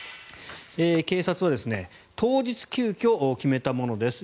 警察は当日、急きょ決めたものです